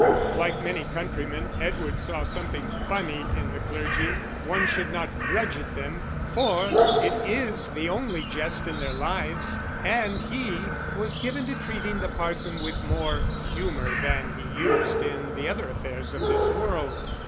Like many countrymen, Edward saw something funny in the clergy one should not grudge it them, for it is the only jest in their lives and he was given to treating the parson with more humour than he used in the other affairs of this world.